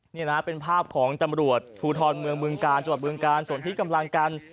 นี่นะเป็นภาพของตำรวจภูทรเมืองเมืองการสวทธิกำลังการ